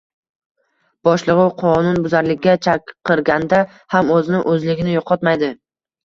boshlig‘i qonunbuzarlikka chaqirganda ham o‘zini, o‘zligini yo‘qotmaydi.